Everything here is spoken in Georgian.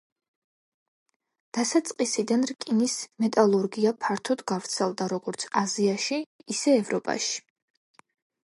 დასაწყისიდან რკინის მეტალურგია ფართოდ გავრცელდა როგორც აზიაში, ისე ევროპაში.